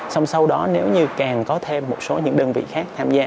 xong sau đó nếu như càng có thêm một số những đơn vị khác tham gia